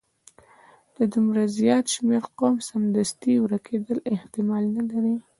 د دومره زیات شمیر قوم سمدستي ورکیدل احتمال نه لري.